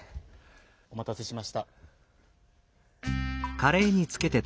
おまたせしました。